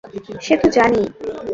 সে তো জানি।